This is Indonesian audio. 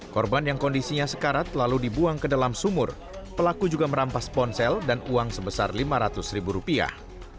korban yang kondisinya sekarat lalu dibuang ke dalam sumur pelaku juga merampas ponsel dan uang sebesar lima ratus ribu rupiah